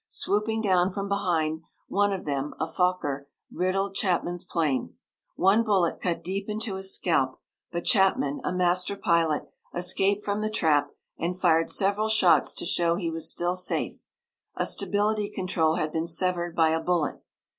Swooping down from behind, one of them, a Fokker, riddled Chapman's plane. One bullet cut deep into his scalp, but Chapman, a master pilot, escaped from the trap, and fired several shots to show he was still safe. A stability control had been severed by a bullet.